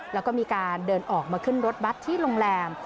แล้วก็มีการเดินออกมาขึ้นรถบัตรที่โรงแรม